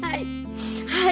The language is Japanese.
はい。